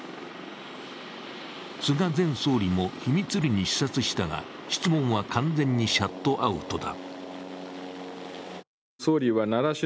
菅前総理も、秘密裏に視察したが質問は完全にシャットアウトだ。